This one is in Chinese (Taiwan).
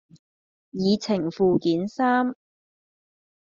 議程附件三